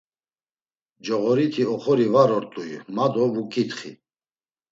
Coğoriti oxori var ort̆ui ma do vuǩitxi.